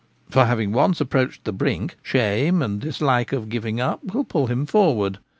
— for having once approached the brink, shame and the dislike of giving up pull him forward.